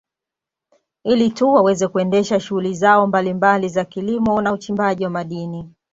Ili tu waweze kuendesha shughuli zao mbalimbali za kilimo na uchimbaji wa madini